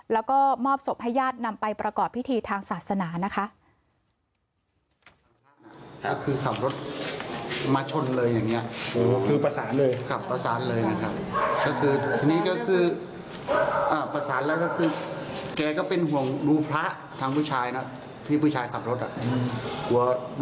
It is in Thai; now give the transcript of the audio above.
แล้วก็มอบศพให้ญาตินำไปประกอบพิธีทางศาสนานะคะ